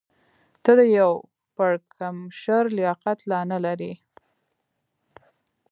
ته د یو پړکمشر لیاقت لا نه لرې.